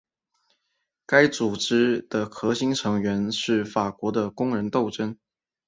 该组织的核心成员是法国的工人斗争。